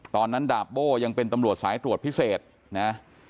ดาบโบ้ยังเป็นตำรวจสายตรวจพิเศษนะ